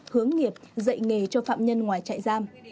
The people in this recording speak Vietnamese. hướng nghiệp dạy nghề cho phạm nhân ngoài trại giam